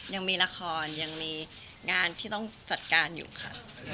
ยังมีละครยังมีงานที่ต้องจัดการอยู่ค่ะ